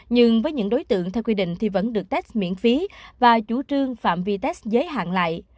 nhưng với những đối tượng theo quy định thì vẫn được test miễn phí và chủ trương phạm vi test giới hạn lại